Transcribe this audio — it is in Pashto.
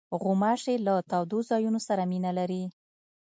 غوماشې له تودو ځایونو سره مینه لري.